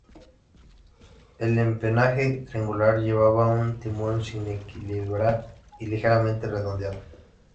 El empenaje triangular llevaba un timón sin equilibrar y ligeramente redondeado.